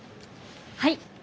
はい。